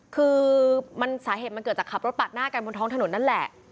คือสาเหตุมันเกิดจากขับรถปาดหน้ากันบนท้องถนนนั่นแหละ